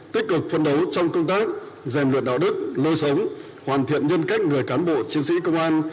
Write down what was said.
tích cực phân đấu trong công tác dèm luyện đạo đức lôi sống hoàn thiện nhân cách người cán bộ chiến sĩ công an